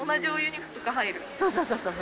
そうそうそうそう。